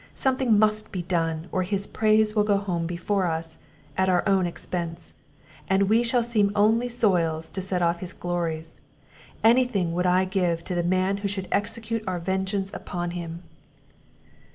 Something must be done, or his praise will go home before us, at our own expence; and we shall seem only soils to set off his glories. Any thing would I give to the man who should execute our vengeance upon him."